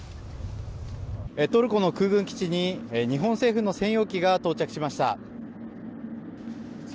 トルコの空軍基地に日本政府の専用機が到着しました。